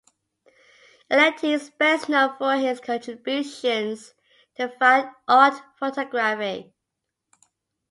Aletti is best known for his contributions to fine art photography.